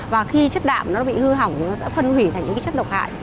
và khi chất đạm nó bị hư hỏng thì nó sẽ phân hủy thành những cái chất độc hại